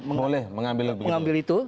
boleh mengambil itu